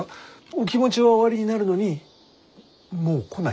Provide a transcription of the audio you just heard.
お気持ちはおありになるのにもう来ないと？